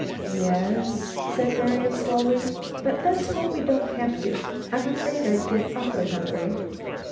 "Yes s," said Marian slowly, "but let's hope we don't have to; I'm afraid I'd get awful hungry."